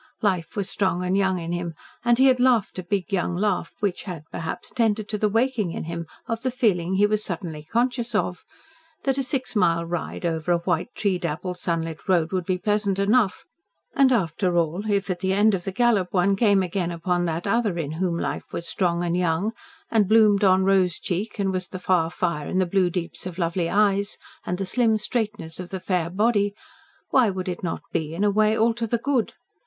Life was strong and young in him, and he had laughed a big young laugh, which had, perhaps tended to the waking in him of the feeling he was suddenly conscious of that a six mile ride over a white, tree dappled, sunlit road would be pleasant enough, and, after all, if at the end of the gallop one came again upon that other in whom life was strong and young, and bloomed on rose cheek and was the far fire in the blue deeps of lovely eyes, and the slim straightness of the fair body, why would it not be, in a way, all to the good?